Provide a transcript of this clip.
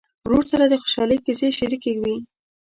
ورور سره د خوشحالۍ کیسې شريکې وي.